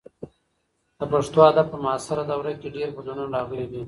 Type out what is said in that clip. د پښتو ادب په معاصره دوره کې ډېر بدلونونه راغلي دي.